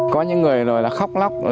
có những người rồi là khóc lóc